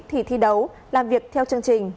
thì thi đấu làm việc theo chương trình